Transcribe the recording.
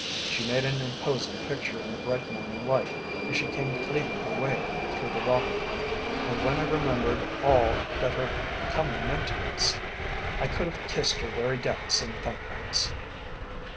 She made an imposing picture in the bright morning light as she came cleaving her way through the water, and when I remembered all that her coming meant to us, I could have kissed her very decks in thankfulness.